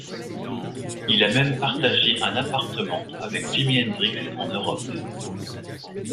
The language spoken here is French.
Il a même partagé un appartement avec Jimi Hendrix en Europe.